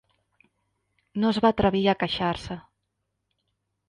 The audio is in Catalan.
No es va atrevir a queixar-se.